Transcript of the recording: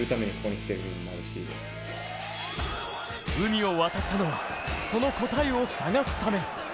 海を渡ったのはその答えを探すため。